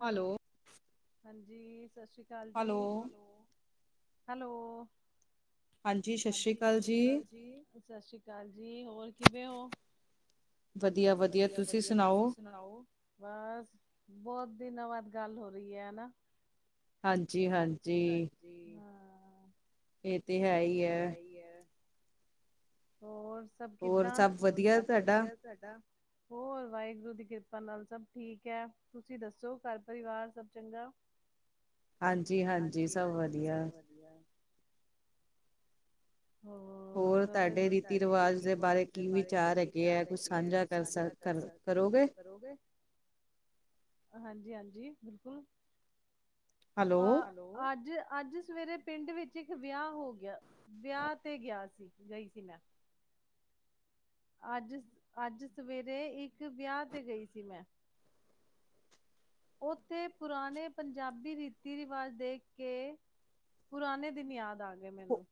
Hello, ਹਾਂਜੀ, ਸਤਿ ਸ਼੍ਰੀ ਅਕਾਲ ਜੀ। Hello hello. ਹਾਂਜੀ, ਸਤਿ ਸ਼੍ਰੀ ਅਕਾਲ ਜੀ। ਸਤਿ ਸ੍ਰੀ ਅਕਾਲ ਜੀ। ਹੋਰ ਕਿਵੇਂ ਹੋ? ਵਧੀਆ-ਵਧੀਆ, ਤੁਸੀਂ ਸੁਣਾਓ? ਬਸ ਬਹੁਤ ਦਿਨਾਂ ਬਾਅਦ ਗੱਲ ਹੋ ਰਹੀ ਹੈ, ਹਨਾ। ਹਾਂਜੀ। ਹਾਂਜੀ-ਹਾਂਜੀ-ਹਾਂ। ਇਹ ਤੇ, ਹੈਹੀ ਐ। ਹੋਰ ਸਭ ਕਿੱਦਾਂ? ਹੋਰ, ਸਭ ਵਧੀਆ ਤੁਹਾਡਾ? ਹੋਰ 'ਵਾਹਿਗੁਰੂ'ਦੀ ਕਿਰਪਾ ਨਾਲ ਸਭ ਠੀਕ ਐ, ਤੁਸੀਂ ਦੱਸੋ ਘਰ-ਪਰਿਵਾਰ ਸਭ ਚੰਗਾ? ਹਾਂਜੀ, ਹਾਂਜੀ ਸਭ ਵਧੀਆ। ਹੋਰ ਸਬ ਵਧੀਆ, ਹੋਰ ਤੁਹਾਡੇ ਰੀਤੀ ਰਿਵਾਜ ਦੇ ਬਾਰੇ ਕੀ ਵਿਚਾਰ ਹੈਗੇ ਆ। ਕੁਝ ਸਾਂਝਾ- ਕਰ ਕਰੋਗੇ [unintelligible] ਹਾਂਜੀ, ਹਾਂਜੀ ਬਿਲਕੁਲ ਅਆ? ਹੈਲੋ। ਅੱਜ-ਅੱਜ ਸਵੇਰੇ ਪਿੰਡ ਵਿੱਚ ਇੱਕ ਵਿਆਹ ਹੋ ਗਿਆ ਵਿਆਹ 'ਤੇ ਗਿਆ ਸੀ, ਗਈ ਸੀ। ਮੈਂ ਅੱਜ- ਅੱਜ ਸਵੇਰੇ ਇੱਕ ਵਿਆਹ 'ਤੇ ਗਈ ਸੀ। ਮੈਂ ਉੱਥੇ ਪੁਰਾਣੇ ਪੰਜਾਬੀ ਰੀਤੀ-ਰਿਵਾਜ਼ ਦੇਖ ਕੇ? ਪੁਰਾਣੇ ਦਿਨ ਯਾਦ ਆ ਗਏ ਮੈਨੂੰ।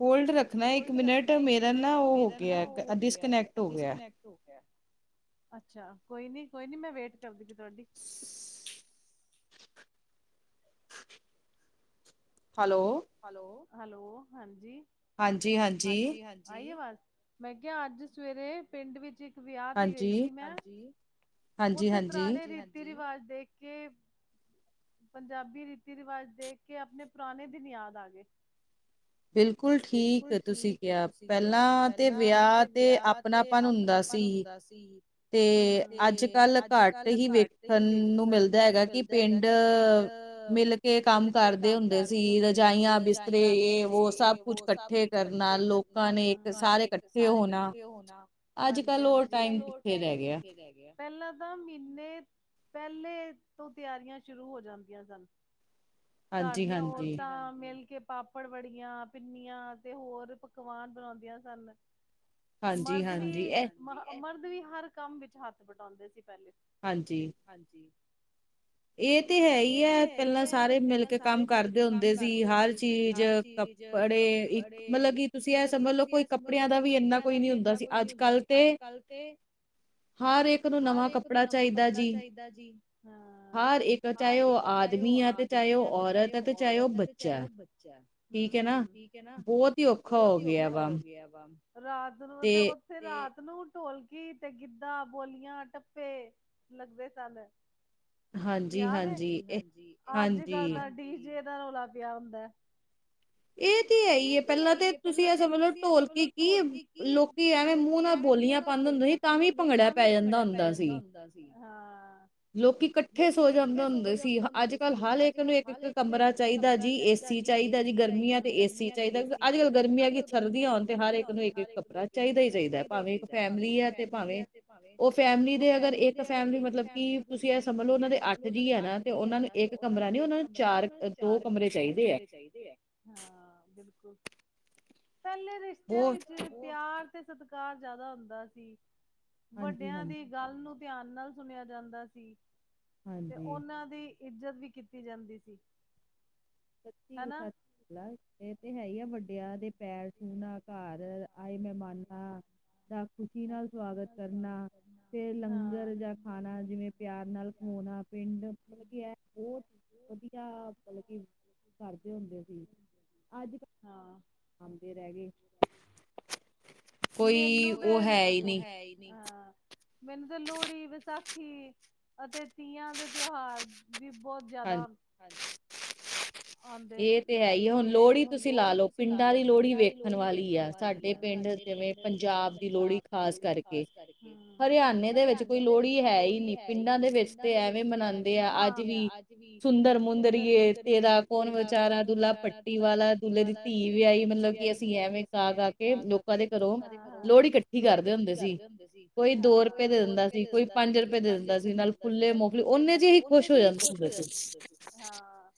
ਹੋਲਡ ਰੱਖੋ ਹੋਲਡ ਰੱਖਣਾ ਇੱਕ ਮਿੰਟ, ਮੇਰਾ ਨਾ ਉਹ ਹੋ ਗਿਆ! ਡਿਸਕਨੈਕਟ ਹੋ ਗਿਆ? ਅੱਛਾ, ਕੋਈ ਨੀ-ਕੋਈ ਨੀ ਮੈਂ ਵੇਟ ਕਰਦੀ ਹਾ ਤੁਹਾਡੀ। ਹੈਲੋ? ਹੈਲੋ-ਹੈਲੋ, ਹਾਂਜੀ। ਹਾਂਜੀ-ਹਾਂ ਹਾਂਜੀ-ਹਾਂਜੀ, ਆਈ ਆਵਾਜ਼! ਮੈਂ ਕਿਹਾ ਅੱਜ ਸਵੇਰੇ ਪਿੰਡ ਵਿੱਚ? ਵਿਆਹ ਤੇ ਗਈ ਸੀ ਮੈਂ, ਹਾਂਜੀ ਓੱਥੇ ਪੁਰਾਣੇ ਹਾਂਜੀ-ਹਾਂਜੀ, ਰੀਤੀ ਰਿਵਾਜ ਦੇਖ ਕੇ? ਪੰਜਾਬੀ ਰੀਤੀ-ਰਿਵਾਜ ਦੇਖ ਕੇ, ਆਪਣੇ ਪੁਰਾਣੇ ਦਿਨ ਯਾਦ ਆ ਗਏ। ਬਿਲਕੁਲ ਠੀਕ, ਤੁਸੀਂ ਕਿਹਾ ਪਹਿਲਾਂ ਤੇ ਵਿਆਹ! ਤੇ ਆਪਣਾਪਨ ਹੁੰਦਾ ਸੀ? ਤੇ ਅੱਜ-ਕੱਲ ਘੱਟ ਹੀ ਵੇਖਣ ਨੂੰ ਮਿਲਦਾ ਹੈਗਾ ਕਿ? ਪਿੰਡ, ਮਿਲ ਕੇ ਕੰਮ ਕਰਦੇ ਹੁੰਦੇ ਸੀ। ਰਜਾਈਆਂ ਬਿਸਤਰੇ? ਤੇ ਇਹ-ਉਹ, ਸਭ ਕੁਛ ਇਕੱਠੇ ਕਰਨਾ, ਲੋਕਾਂ ਨੇ ਇੱਕ ਸਾਰੇ ਇਕੱਠੇ ਹੋਣਾ। ਹਾਂਜੀ-ਹਾਂਜੀ ਅੱਜ-ਕੱਲ ਓਹ ਟਾਈਮ ਕਿਥੇ? ਪਹਿਲਾਂ ਤਾਂ, ਮਹੀਨੇ ਪਹਿਲੇ ਤੋਂ, ਤਿਆਰੀਆਂ ਸ਼ੁਰੂ ਹੋ ਜਾਂਦੀਆਂ ਸਨ। ਘਰ ਦੀਆਂ ਔਰਤਾਂ ਮਿਲ ਕੇ? ਪਾਪੜ, ਵੜੀਆਂ, ਪਿੰਨੀਆਂ ਤੇ ਹੋਰ ਪਕਵਾਨ ਬਣਾਉਂਦੀਆਂ ਸਨ। ਮਰਦ ਵੀ, ਮਰਦ ਵੀ ਹਰ ਕੰਮ ਵਿੱਚ ਹੱਥ ਬਟਾਉਂਦੇ ਸੀ ਪਹਿਲੇ। ਹਾਂਜੀ। ਹਾਂਜੀ ਇਹ ਤੇ ਹੈ ਹੀ ਹੈ। ਪਹਿਲਾਂ ਸਾਰੇ! ਪਹਿਲਾਂ ਸਾਰੇ- ਮਿਲ ਕੇ ਕੰਮ ਕਰਦੇ ਹੁੰਦੇ ਸੀ। ਹਰ ਚੀਜ਼ ਕੱਪੜੇ, ਮਤਲਬ ਕਿ, ਤੁਸੀਂ ਇਹ ਸਮਝ ਲਓ ਕੋਈ ਕੱਪੜਿਆਂ ਦਾ ਵੀ ਇੰਨਾ ਕੋਈ ਨਹੀਂ ਹੁੰਦਾ ਸੀ। ਅੱਜ-ਕੱਲ੍ਹ ਤੇ, ਹਰ ਇੱਕ ਨੂੰ ਨਵਾਂ ਕੱਪੜਾ ਚਾਹੀਦਾ ਜੀ। ਹਾਂ, ਹਰ ਇੱਕ ਚਾਹੇ ਉਹ ਆ- ਆਦਮੀ ਹੈ, ਤੇ ਚਾਹੇ ਉਹ ਔਰਤ ਹੈ, ਤੇ ਚਾਹੇ ਉਹ ਬੱਚਾ ਹੈ, ਠੀਕ ਹੈ ਨਾ। ਬਹੁਤ ਹੀ ਔਖਾ ਹੋ ਗਿਆ ਵਾ। ਰਾਤ ਨੂੰ ਤੇ ਓਹ? ਤੇ ਰਾਤ ਨੂੰ ਢੋਲਕੀ, ਤੇ ਗਿੱਧਾ, ਬੋਲੀਆਂ, ਟੱਪੇ? ਲੱਗਦੇ ਸਨ। ਯਾਦ ਹੈ ਹਾਂਜੀ-ਹਾਂਜੀ। ਅੱਜ-ਕਲ ਤਾਂ ਡੀ ਜੇ, ਦਾ ਰੌਲਾ ਪਿਆ ਹੁੰਦਾ। ਇਹ? ਇਹ ਤੇ ਹੈਈ ਹੈ। ਪਹਿਲਾਂ ਤੇ ਤੁਸੀਂ ਐ ਸਮਝ ਲੋ ਢੋਲਕੀ ਕੀ, ਲੋਕੀ ਐਵੇਂ ਮੂੰਹ ਨਾਲ ਬੋਲੀਆਂ, ਪਾਂਦੇ ਹੁੰਦੇ ਸੀ। ਪਾਂਦੇ ਹੁੰਦੇ ਸੀ। ਤਾਂ ਵੀ ਭੰਗੜਾ, ਪੈ ਜਾਂਦਾ ਹੁੰਦਾ ਸੀ। ਹਾਂ। ਲੋਕੀ ਇਕੱਠੇ ਸੋ ਜਾਂਦੇ ਹੁੰਦੇ ਸੀ, ਅੱਜ-ਕੱਲ ਹਰ ਇੱਕ ਨੂੰ, ਇੱਕ-ਇੱਕ ਕਮਰਾ ਚਾਹੀਦਾ। ਹੁਣ ਤਾਂ ਜੀ ਏਸੀ? ਗਰਮੀਆਂ ਤੇ ਏਸੀ ਗਰਮੀਆਂ ਤੇ ਏ ਸੀ ਚਾਹੀਦਾ। ਅੱਜ-ਕੱਲ੍ਹ ਗਰਮੀਆਂ ਕਿ, ਸਰਦੀਆਂ ਹੋਣ ਤੇ, ਹਰ ਇੱਕ ਨੂੰ ਇੱਕ-ਇੱਕ, ਕਮਰਾ ਚਾਹੀਦਾ ਹੀ ਚਾਹੀਦਾ। ਭਾਵੇਂ ਇੱਕ ਫੈਮਿਲੀ ਆ, ਤੇ ਭਾਵੇਂ ਉਹ ਫੈਮਲੀ ਦੇ ਅਗਰ, ਇੱਕ ਫੈਮਿਲੀ ਮਤਲਬ? ਕੀ ਤੁਸੀਂ ਇਹ ਸਮਝ ਲੋ, ਉਹਨਾਂ ਦੇ ਅੱਠ ਜੀ ਆ ਨਾ, ਤੇ ਉਹਨਾਂ ਨੂੰ ਇੱਕ ਕਮਰਾ ਨਹੀਂ, ਉਹਨਾਂ ਨੂੰ ਚਾਰ, ਦੋ ਕਮਰੇ ਚਾਹੀਦੇ। ਹਾਂ ਬਿਲਕੁਲ, ਪਹਿਲੇ ਰਿਸ਼ਤਿਆਂ ਵਿੱਚ? ਪਿਆਰ ਤੇ ਸਤਿਕਾਰ, ਜਿਆਦਾ ਹੁੰਦਾ ਸੀ। ਵੱਡਿਆਂ ਦੀ? ਗੱਲ ਨੂੰ ਧਿਆਨ ਨਾਲ ਸੁਣਿਆ ਜਾਂਦਾ ਸੀ ਤੇ ਉਹਨਾਂ ਦੀ ਇੱਜਤ ਵੀ ਕੀਤੀ ਜਾਂਦੀ ਸੀ। ਸੱਚੀ ਤੁਹਾਡੀ ਗਲ ਇਹ ਤੇ ਹੈ ਹੀ ਆ ਵੱਡਿਆਂ ਦੇ ਪੈਰ ਛੂਹਣਾ ਘਰ ਆਏ ਮਹਿਮਾਨਾਂ ਦਾ ਖੁਸ਼ੀ ਨਾਲ ਸਵਾਗਤ ਕਰਨਾ ਫ ਲੰਗਰ ਜਾਂ ਖਾਣਾ ਜਿਵੇਂ ਪਿਆਰ ਨਾਲ ਖੋਣਾ ਪਿੰਡ ਮਤਲਬ ਕੀ ਇਹ ਬਹੁਤ ਵਧੀਆ ਮਤਲਬ ਕੀ ਕਰਦੇ ਹੁੰਦੇ ਸੀ ਅੱਜ ਕ ਆਉਂਦੇ ਰਹਿ ਗਏ ਮੈਨੂੰ ਤੇ ਉਹ ਹੈ ਹੀ ਨਹੀ ਹਾਂ ਮੈਨੂੰ ਤੇ ਲੋਹੜੀ ਵਿਸਾਖੀ ਅਤੇ ਤੀਆਂ ਦੇ ਤਿਉਹਾਰ ਵੀ ਬਹੁਤ ਜਿਆਦਾ ਹ ਹਜੀ ਆਦੇ ਇਹ ਤੇ ਹੈ ਹੀ ਆ ਹੁਣ ਲੋਹੜੀ ਤੁਸੀਂ ਲਾ ਲਓ ਪਿੰਡਾਂ ਨਾਲੇ ਲੋਹੜੀ ਵੇਖਣ ਵਾਲੀ ਹੈ ਸਾਡੇ ਪਿੰਡ ਜਿਵੇਂ ਪੰਜਾਬ ਦੀ ਲੋਹੜੀ ਖਾਸ ਕਰਕੇ ਹਰਿਆਣੇ ਦੇ ਵਿੱਚ ਕੋਈ ਲੋਹੜੀ ਹੈ ਹੀ ਨੀ ਪਿੰਡਾਂ ਦੇ ਵਿੱਚ ਤੇ ਐਵੇਂ ਮਨਾਉਂਦੇ ਆ ਅੱਜ ਵੀ ਸੁੰਦਰ ਮੁਦਰੀਏ ਤੇਰਾ ਕੋਨ ਵਿਚਚਾਰਾ ਦੁਲਲਾ ਭੱਟੀ ਵਾਲਾ ਦੁੱਲੇ ਦੀ ਧੀ ਧੀ ਵਿਆਹੀ ਮਤਲਬ ਕਿ ਅਸੀਂ ਐਵੇਂ ਗਾ ਗਾ ਕੇ ਲੋਕਾਂ ਦੇ ਘਰ ਲੋਹੜੀ ਇਕੱਠੀ ਕਰਦੇ ਹੁੰਦੇ ਸੀ ਕੋਈ ਦੋ ਰੁਪਏ ਦੇ ਦਿੰਦਾ ਸੀ ਕੋਈ ਪੰਜ ਰੁਪਏ ਦੇ ਦਿੰਦਾ ਸੀ ਨਾਲ ਫੁੱਲੇ ਮਕਲੀ ਓਨੇ ਜਿਹੇ ਹੀ ਖੁਸ਼ ਹੋ ਜਾਂਦੇ ਸੀ- ਹਾਂ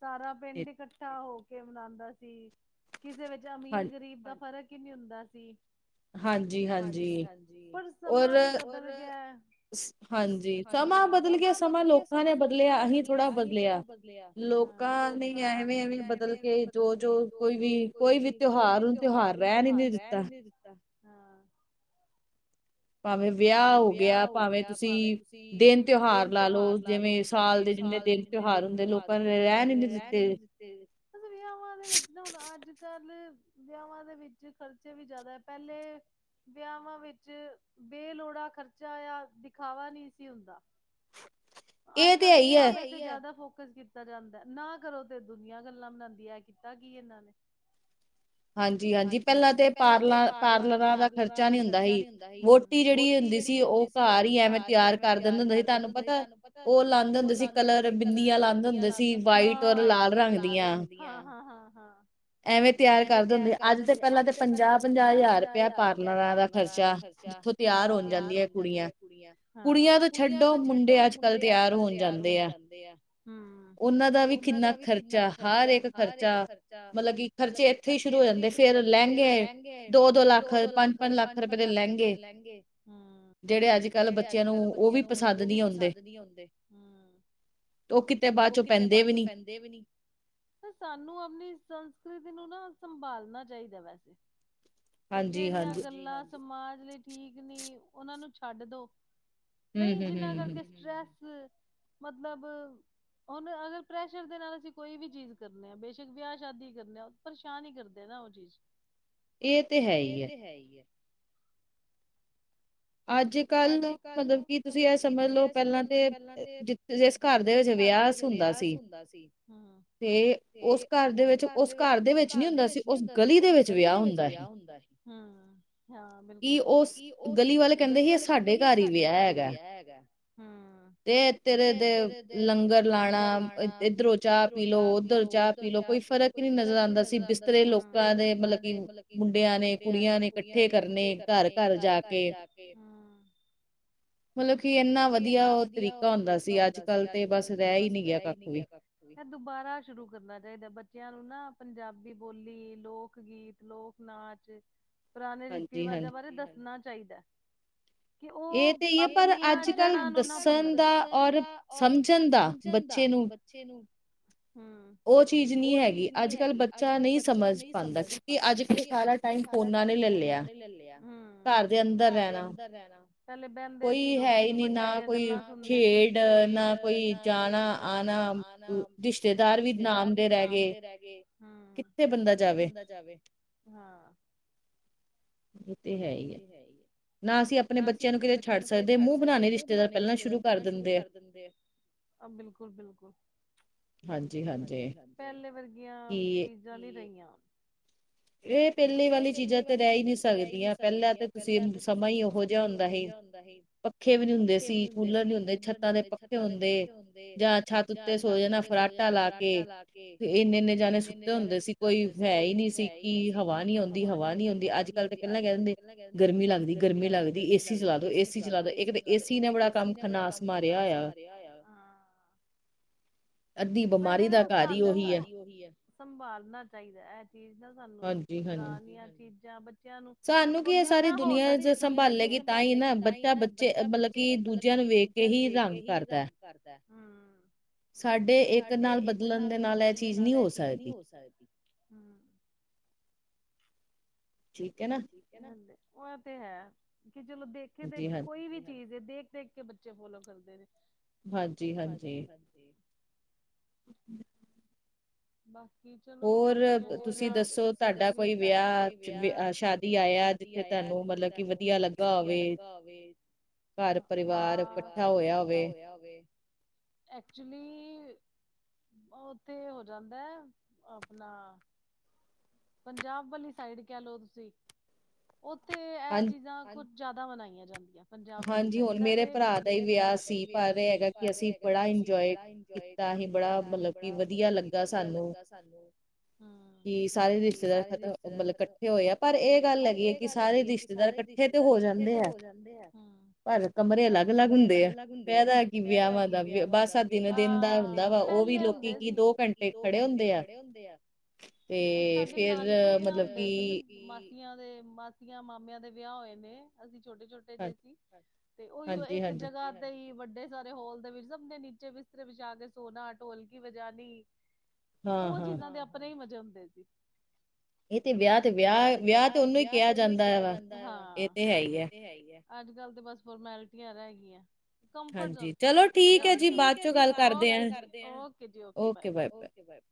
ਸਾਰਾ ਪਿੰਡ ਇਕੱਠਾ ਹੋ ਕੇ ਮਨਾਉਂਦਾ ਸੀ ਕਿਸੇ ਵਿੱਚ ਅਮੀਰ ਗਰੀਬ ਦਾ ਫ਼ਰਕ ਹੀ ਨਹੀਂ ਹੁੰਦਾ ਸੀ ਹਾਂਜੀ ਹਾਂਜੀ ਹਾਂਜੀ ਪਰ ਸਮਾਂ ਵੀ ਬਦਲ ਗਿਆ ਹਾਂਜੀ ਸਮਾਂ ਬਦਲ ਗਿਆ ਸਮਾਂ ਲੋਕਾਂ ਨੇ ਬਦਲਿਆ ਅਸੀਂ ਥੋੜਾ ਬਦਲਿਆ ਹਾ ਲੋਕਾਂ ਨੇ ਐਵੇਂ ਐ ਵੀ ਬਦਲ ਕੇ ਜੋ ਜੋ ਕੋਈ ਵੀ ਕੋਈ ਵੀ ਤਿਉਹਾਰ ਤਿਉਹਾਰ ਰਹਿ ਨੀ ਨਹੀਂ ਦਿੱਤਾ ਹਾਂ ਭਾਵੇਂ ਵਿਆਹ ਹੋ ਗਿਆ ਭਾਵੇਂ ਤੁਸੀਂ ਦਿਨ ਤਿਉਹਾਰ ਲਾ ਲਓ ਜਿਵੇਂ ਸਾਲ ਦੇ ਜਿੰਨੇ ਦਿਨ ਤਿਉਹਾਰ ਹੁੰਦੇ ਲੋਕਾਂ ਨੇ ਰਹਿ ਨੀ ਦਿੱਤੇ ਵਿਆ ਵਿੱਚ ਹੁਣ ਅੱਜ ਕੱਲ ਵਿਆਹਾਂ ਦੇ ਵਿੱਚ ਖਰਚੇ ਵੀ ਜ਼ਿਆਦਾ ਹੈ ਪਹਿਲੇ ਵਿਆਹਵਾਂ ਵਿੱਚ ਬੇਲੋੜਾ ਖਰਚਾ ਜਾਂ ਦਿਖਾਵਾ ਨਹੀਂ ਸੀ ਹੁੰਦਾ ਆਜ ਕਲ ਦਿਖਾਵੇ ਤੇ ਜ਼ਾਦਾ ਫੋਕਸ ਕੀਤਾ ਤਾ ਜਾਂਦਾ ਨਾ ਕਰੋ ਤੇ ਦੁਨੀਆਂ ਗੱਲਾਂ ਬਨਾਉਂਦੀ ਐ ਕੀਤਾ ਕੀ ਇਹਨਾਂ ਨੇ ਹਾਂਜੀਹਾਂਜੀ ਪਹਿਲਾਂ ਤੇ ਪਾਰਲਾਂ ਪਾਰਲਰਾਂ ਦਾ ਖਰਚਾ ਨਹੀ ਹੁੰਦਾ ਸੀ ਵੋਟੀ ਜਿਹੜੀ ਹੁੰਦੀ ਸੀ ਉਹ ਘਰ ਹੀ ਐਵੇਂ ਤਿਆਰ ਕਰ ਦਿੰਦਾ ਹੁੰਦਾ ਸੀ ਤੁਹਾਨੂੰ ਪਤਾ ਉਹ ਲਾਉਦੇ ਹੁੰਦੇ ਸੀ ਕਲਰ ਬਿੰਨੀਆਂ ਲਾਦੇ ਹੁੰਦੇ ਸੀ ਵਾਈਟ ਔਰ ਲਾਲ ਰੰਗ ਦੀਆਂ ਹਾਂ ਐਵੇਂ ਤਿਆਰ ਕਰਦੇ ਹੁੰਦੇ ਅੱਜ ਤੇ ਪਹਿਲਾਂ ਤੇ ਪੰਜਾਹ-ਪੰਜਾਹ ਹਜ਼ਾਰ ਰੁਪਇਆ ਪਾਰਲਰਾਂ ਦਾ ਖਰਚਾ ਜਿੱਥੋਂ ਤਿਆਰ ਹੋਣ ਜਾਂਦੀਆਂ ਕੁੜੀਆਂ ਕੁੜੀਆਂ ਤਾਂ ਛੱਡੋ ਮੁੰਡੇ ਅੱਜ ਕੱਲ ਤਿਆਰ ਹੋਣ ਜਾਂਦੇ ਆ ਉਹਨਾਂ ਦਾ ਵੀ ਕਿੰਨਾ ਖਰਚਾ ਹਰ ਇੱਕ ਖਰਚਾ ਮਤਲਬ ਕਿ ਖਰਚੇ ਖਰਚੇ ਇੱਥੇ ਹੀ ਸ਼ੁਰੂ ਹੋ ਜਾਂਦੇ ਫੇਰ ਲਹਿੰਗੇ ਦੋ ਦੋ ਲੱਖ ਪੰਜ ਪੰਜ ਲੱਖ ਰੁਪਏ ਦੇ ਲਹਿੰਗੇ ਹਮ ਜਿਹੜੇ ਅੱਜ ਕੱਲ੍ਹ ਬੱਚਿਆਂ ਨੂੰ ਉਹ ਵੀ ਪਸੰਦ ਨੀ ਆਉਦੇ ਹ ਉਹ ਕਿਤੇ ਬਾਅਦ ਚੋਂ ਪੈਂਦੇ ਵੀ ਨੀ ਤੇ ਸਾਨੂੰ ਆਪਣੀ ਸੰਸਕ੍ਰਿਤੀ ਨੂੰ ਨਾ ਸੰਭਾਲਣਾ ਚਾਹੀਦਾ ਵੈਸੇ ਪਰ ਜਿਹੜੀਆਂ ਗੱਲਾਂ ਸਮਾਜ ਲਈ ਠੀਕ ਨਹੀਂ ਉਹਨਾਂ ਨੂੰ ਛੱਡ ਦੋ ਨਹੀਂ ਜਿੰਨਾ ਕਰਕੇ ਸਟਰ੍ਰੈਸ ਮਤਲਬ ਹੁਨ ਅਗਰ ਪ੍ਰੈਸ਼ਰ ਦੇ ਨਾਲ ਅਸੀਂ ਕੋਈ ਵੀ ਚੀਜ਼ ਕਰਨੀੇ ਹਾਂ ਬੇਸ਼ਕ ਵਿਆਹ ਸ਼ਾਦੀ ਕਰਨੇ ਆ ਪਰੇਸ਼ਾਨ ਹੀ ਕਰਦੇ ਨਾ ਉਹ ਚੀਜ਼ ਇਹ ਤੇ ਹੈ ਹੀ ਹੈ ਹੈ ਹੀ ਹੈ ਅੱਜ ਕੱਲ ਮਤਲਬ ਕਿ ਤੁਸੀਂ ਇਹ ਸਮਝ ਲਓ, ਪਹਿਲਾਂ ਤੇ ਜਿ ਜਿਸ ਘਰ ਦੇ ਵਿੱਚ ਵਿਆਹ ਹੁੰਦਾ ਸੀ ਦਾ ਸੀ ਹ ਤੇ ਉਸ ਘਰ ਦੇ ਵਿੱਚ ਉਸ ਘਰ ਦੇ ਵਿੱਚ ਨੀ ਹੁੰਦਾ ਸੀ, ਉਸ ਗਲੀ ਦੇ ਵਿੱਚ ਵਿਆਹ ਹੁੰਦਾ ਸੀ ਹੂੰ, ਹਾਂ ਬਿਲਕੁਲ ਕੀ ਉਸ ਕਹਿੰਦੇ ਹੀ ਕਹਿੰਦੇ ਸੀ, ਇਹ ਸਾਡੇ ਘਰ ਹੀ ਵਿਆਹ ਹੈਗਾ। ਤੇ ਤੇਰੇ ਦੇ ਲੰਗਰ ਲਾਣਾ ਇੱਧਰੋਂ ਚਾਹ ਪੀਲੋ ਓਧਰੋਂ ਚਾਹ ਪੀਲੋ ਕੋਈ ਫਰਕ ਨੀ ਨਜ਼ਰ ਆਉਂਦਾ ਸੀ, ਬਿਸਤਰੇ ਲੋਕਾਂ ਦੇ ਮਤਲਬ ਕਿ ਮੁੰਡਿਆਂ ਨੇ ਕੁੜੀਆਂ ਨੇ ਇਕੱਠੇ ਕਰਨੇ ਘਰ-ਘਰ ਜਾ ਕੇ ਮਤਲਬ ਕਿ ਇੰਨਾ ਵਧੀਆ ਉਹ ਤਰੀਕਾ ਹੁੰਦਾ ਸੀ, ਅੱਜ-ਕੱਲ ਤੇ ਬਸ ਰਹਿ ਹੀ ਨਹੀਂ ਗਿਆ ਕਾਫੀ ਇਹ ਦੁਬਾਰਾ ਸ਼ੁਰੂ ਕਰਨਾ ਚਾਹੀਦਾ, ਬੱਚਿਆਂ ਨੂੰ ਨਾ ਪੰਜਾਬੀ ਬੋਲੀ ਲੋਕ ਗੀਤ ਲੋਕ-ਨਾਚ ਪੁਰਾਣੇ ਰੀਤੀ-ਰਿਵਾਜਾਂ ਬਾਰੇ ਦੱਸਣਾ ਚਾਹੀਦਾ ਹੈ। ਕਿ ਉਹ [unintelligible] ਨੂੰ ਦੱਸਣ ਦਾ ਔਰ ਸਮਝਣ ਦਾ ਬੱਚੇ ਨੂੰ ਹੂੰ, ਉਹ ਚੀਜ਼ ਨਹੀਂ ਹੈਗੀ ਅੱਜ ਕੱਲ-ਬੱਚਾ ਨਹੀਂ ਸਮਝ ਪਾਉਂਦਾ ਕਿਉਕਿ ਅੱਜ ੜ-ਕੱਲ ਸਾਰਾ ਟਾਈਮ ਫੋਨਾ ਨੇ ਲੈ ਲਿਆ, ਘਰ ਦੇ ਅੰਦਰ ਰਹਿਣਾ ਪਹਿਲੇ ਬਹਿੰਦੇ ਸੀ ਲੋਕ ਵੱਡ ਗੱਲਾਂ ਹੁੰਦੇ ਸੀ, ਖੇਡ ਨਾ ਕੋਈ ਜਾਣਾ ਆਣਾ ਰਿਸ਼ਤੇਦਾਰ ਵੀ ਨਾਮ ਦੇ ਰਹਿ ਗਏ, ਹੂੰ ਕਿੱਥੇ ਬੰਦਾ ਜਾਵੇ? ਹਾਂ ਉਹ ਤੇ ਹੈ ਹੀ ਹੈ ਨਾ ਅਸੀਂ ਆਪਣੇ ਬੱਚਿਆਂ ਨੂੰ ਕਿਤੇ ਛੱਡ ਸਕਦੇ, ਹਾਂ ਮੂੰਹ ਬਣਾਉਣੇ ਰਿਸ਼ਤੇਦਾਰ ਪਹਿਲਾਂ ਸ਼ੁਰੂ ਕਰ ਦਿੰਦੇ ਆ। ਬਿਲਕੁਲ-ਬਿਲਕੁਲ, ਹਾਂਜੀ-ਹਾਂਜੀ ਪਹਿਲੇ ਵਰਗੀਆਂ ਚੀਜ਼ਾਂ ਰਿਆਂ ਇਹ ਪਹਿਲੀ ਵਾਲੀ ਚੀਜ਼ਾਂ ਤੇ ਰਹਿ ਹੀ ਨਹੀਂ ਸੀ। ਲੱਗਦੀਆਂ ਪਹਿਲਾਂ ਤਾਂ, ਤੁਸੀਂ ਸਮਾਂ ਹੀ ਉਹੋ ਜਿਹਾ ਹੁੰਦਾ ਸੀ। ਪੱਖੇ ਵੀ ਨੀ ਹੁੰਦੇ ਸੀ, ਕੂਲਰ ਨੀ ਹੁੰਦੇ, ਛੱਤਾਂ ਦੇ ਪੱਖੇ ਹੁੰਦੇ। ਜਾਂ ਛੱਤ ਉੱਤੇ ਸੋ ਜਾਣਾ ਫਰਾਟਾ ਲਾ ਕੇ, ਇੰਨੇ-ਇੰਨੇ ਜਾਣੇ ਸੁੱਤੇ ਹੁੰਦੇ ਸੀ ਕੋਈ ਹੈ। ਹਵਾ ਨੀ ਆਉਂਦੀ, ਹਵਾ ਨੀ ਆਉਂਦੀ ਅੱਜ ਗੱਲ ਤਾਂ ਪਹਿਲਾਂ ਕਹਿ ਦਿੰਦੇ ਗਰਮੀ ਲੱਗਦੀ, ਗਰਮੀ ਲੱਗਦੀ, ਏਸੀ ਚਲਾ ਦੋ, ਏਸੀ ਚਲਾ ਦੋ ਇੱਕ ਤਾਂਏ ਸੀ ਨੇ ਬੜਾ ਕੰਮ ਨਾਸ ਮਾਰਿਆ ਹੋਇਆ [unintelligible] ਘਰ ਹੀ ਉਹੀ ਹੈ। ਸੰਭਾਲਣਾ ਚਾਹੀਦਾ, ਇਹ ਚੀਜ਼ ਨਾ ਸਾਨੂੰ ਪੁਰਾਣੀਆਂ ਚੀਜ਼ਾਂ ਬੱਚਿਆਂ ਨੂੰ। ਸੰਭਾਲੇਗੀ ਤਾਂ ਹੀ, ਨਾ ਬੱਚਾ-ਬੱਚੇ ਮਤਲਬ ਕਿ ਦੂਜੇ ਦੂਜਿਆਂ ਨੂੰ ਵੇਖ ਕੇ ਹੀ ਰੰਗ ਕਰਦਾ ਹੈ। ਸਾਡੇ ਇੱਕ ਨਾਲ ਬਦਲਣ ਦੇ ਨਾਲ ਇਹ ਚੀਜ਼ ਨਹੀਂ ਹੋ ਸਕਦੀ ਹੂੰ? ਠੀਕ ਹੈ ਨਾ? ਉਹ ਤੇ ਹੈ, ਕਿ ਚਲੋ ਦੇਖੀ-ਦੇਖੀ ਕੋਈ ਵੀ ਚੀਜ਼ ਦੇਖ ਦੇਖ ਕੇ ਬੱਚੇ ਫੋਲੋ ਕਰਦੇ ਨੇ ਹਾਂਜੀ-ਹਾਂਜੀ। [inaudible] ਬਾਕੀ ਚਲੋ ਆਪ ਹੋਰ, ਤੁਸੀਂ ਦੱਸੋ ਤੁਹਾਡਾ ਕੋਈ ਵਿਆਹ ਸ਼ਾਦੀ? ਵ ਆਇਆ, ਜਿੱਥੇ ਤੁਹਾਨੂੰ ਮਤਲਬ ਕਿ ਵਧੀਆ ਲੱਗਾ ਹੋਵੇ? ਘਰ-ਪਰਿਵਾਰ ਇਕੱਠਾ ਹੋਇਆ ਹੋਵੇ? ਐਕਚੁਲੀ ਉੱਥੇ ਹੋ ਜਾਂਦਾ ਆਪਣਾ ਪੰਜਾਬ ਵਾਲੀ ਸਾਈਡ ਕਹਿ ਲਓ, ਤੁਸੀਂ ਉੱਥੇ ਇਹ ਚੀਜ਼ਾਂ ਕੁ ਜਿਆਦਾ ਮਨਾਈਆਂ ਜਾਂਦੀਆਂ। ਪੰਜਾਬ ਵਾਲੀ ਸਾਈਡ, ਮੇਰੇ ਭਰਾ ਦਾ ਹੀ ਵਿਆਹ ਸੀ ਪਰ ਹੈਗਾ ਕਿ ਅਸੀਂ ਬੜਾ ਏਨ ਇੰਜਏ ਕੀਤਾ ਹੀ ਬੜਾ ਮਤਲਬ, ਕਿ ਵਧੀਆ ਲੱਗਾ ਸਾਨੂੰ। ਕਿ ਸਾਰੇ ਰਿਸ਼ਤੇਦਾਰ ਖਤਮ ਮਤਲਬ ਇਕੱਠੇ ਹੋਏ ਆ ਪਰ ਇਹ ਗੱਲ ਹੈਗੀ ਹੈ, ਕਿ ਸਾਰੇ ਰਿਸ਼ਤੇਦਾਰ ਰਿਸ਼ਤੇਦਾਰ ਇਕੱਠੇ ਤੇ ਹੋ ਜਾਂਦੇ ਆ। ਭ ਕਮਰੇ ਅਲੱਗ-ਅਲੱਗ ਹੁੰਦੇ ਆ ਪਹਿਦਾ ਕਿ ਵਿਆਹਵਾਂ ਦਾ ਉਹ ਵੀ ਲੋਕੀ ਕੀ ਦੋ ਘੰਟੇ ਖੜੇ ਹੁੰਦੇ ਆ। ਤੇ ਫੇਰ ਮਤਲਬ ਕਿ, ਸਾਡੇ ਨਾਨਕੇ ਵਿਆਹ ਹੁੰਦੇ ਸੀ ਆਂ ਦੇ ਮਾਸੀਆਂ-ਮਾਮਿਆਂ ਦੇ ਵਿਆਹ ਹੋਏ ਨੇ ਅਸੀਂ ਛੋਟੇ-ਛੋਟੇ ਭੇਜੇ ਸੀ ਤੇ ਉਹੀਓ ਇੱਕ ਜਗ੍ਹਾ। ਹੀ ਵੱਡੇ ਸਾਰੇ ਹੋਲ ਦੇ ਵਿੱਚ ਸਭ ਨੇ ਨੀਚੇ ਬਿਸਤਰੇ ਬਛਾ ਕੇ ਸੋਣਾ ਢੋਲਕੀ ਵਜਾਣੀ। ਉਹ ਚੀਜ਼ਾਂ ਦੇ ਆਪਣੇ ਹੀ ਮਜੇ ਹੁੰਦੇ ਸੀ? ਇਹ ਤੇ ਵਿਆਹ ਤੇ ਵਿਆਹ-ਵਿਆਹ ਤੇ ਉਹਨੂੰ ਹੀ ਕਿਹਾ ਜਾਂਦਾ ਹਾਂ, ਇਹ ਤੇ ਹੈਈ ਐ। ਅੱਜ-ਕੱਲ੍ਹ ਤੇ ਬਸ ਫੋਰਮੈਲਿਟੀਆਂ ਰਹਿ ਗਈਆਂ ਕੰਫਰਟ ਜੇਨ, ਹਾਂਜੀ ਚਲੋ ਠੀਕ ਐ ਜੀ ਬਾਦ ਚ ਗੱਲ ਕਰਦੇ ਆ। ਓਕੇ ਜੀ, ਓਕੇ ਜੀ, okay bye, bye okay bye, bye.